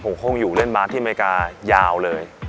ผมคงอยู่เล่นบาสที่อเมริกายาวเลย